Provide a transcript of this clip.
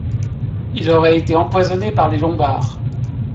Il aurait été empoisonné par les Lombards.